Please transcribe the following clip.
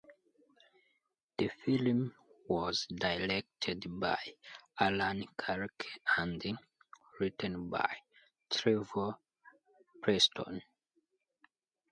The film was directed by Alan Clarke and written by Trevor Preston.